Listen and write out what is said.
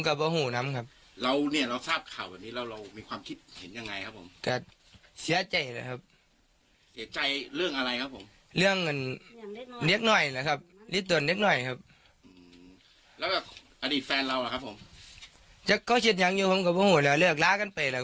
ก็ชิดยังอยู่ผมกับพ่อหูแล้วเรียกร้ากันไปแล้ว